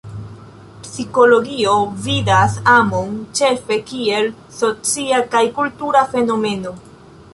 Psikologio vidas amon ĉefe kiel socia kaj kultura fenomeno.